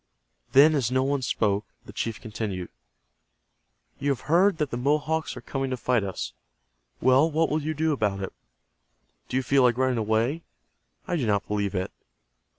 Then as no one spoke, the chief continued. "You have heard that the Mohawks are coming to fight us. Well, what will you do about it? Do you feel like running away? I do not believe it.